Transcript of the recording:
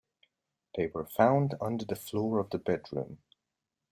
They were found under the floor of the bedroom.